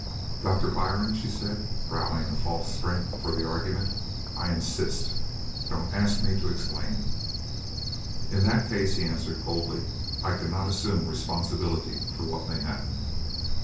"Doctor Byrne," she said, rallying a failing strength for the argument, "I insist. Don't ask me to explain." "In that case," he answered coldly, "I cannot assume responsibility for what may happen."